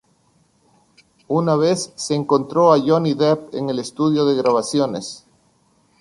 Una vez se encontró a Johnny Depp en un estudio de grabaciones.